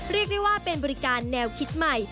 เรียกได้ว่าเป็นบริการแนวคิดใหม่